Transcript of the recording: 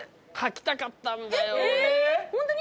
ホントに？